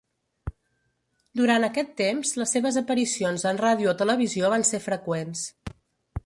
Durant aquest temps les seves aparicions en ràdio o televisió van ser freqüents.